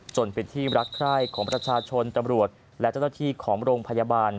จนเป็นที่รักใคร่ของประชาชนตำรวจและเจ้าหน้าที่ของโรงพยาบาล